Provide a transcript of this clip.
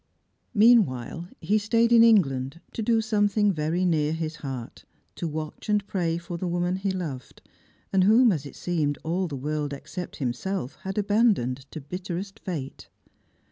_ Meanwhile he stayed in England to do something very near his heart, to watch and pray for the woman he loved, and whom, as it seemed, all the world except himself had abandoned tf] bitterest fate.